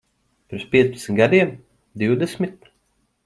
Pirms piecpadsmit gadiem? Divdesmit?